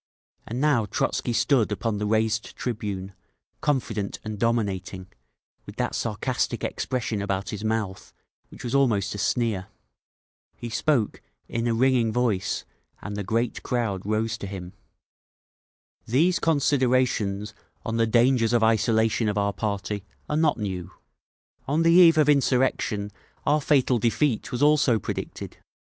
And now Trotzky stood upon the raised tribune, confident and dominating, with that sarcastic expression about his mouth which was almost a sneer. He spoke, in a ringing voice, and the great crowd rose to him. "These considerations on the dangers of isolation of our party are not new. On the eve of insurrection our fatal defeat was also predicted.